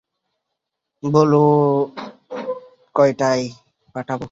বলো কয়টায় পাঠাব?